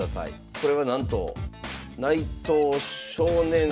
これはなんと内藤少年。